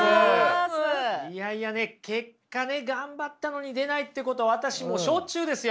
いやいやね結果ね頑張ったのに出ないっていうことは私もしょっちゅうですよ。